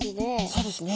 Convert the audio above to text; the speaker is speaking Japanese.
そうですね。